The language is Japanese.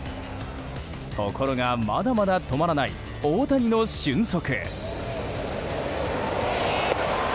ところが、まだまだ止まらない大谷の俊足。